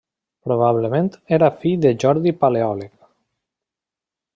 Probablement era fill de Jordi Paleòleg.